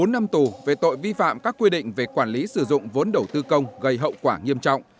bốn năm tù về tội vi phạm các quy định về quản lý sử dụng vốn đầu tư công gây hậu quả nghiêm trọng